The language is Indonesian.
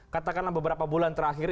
katakanlah beberapa bulan terakhir